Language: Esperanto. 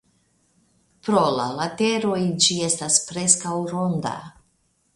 Pro la lateroj ĝi estas preskaŭ ronda.